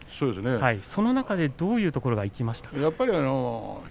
その中でどういうところで生きましたか。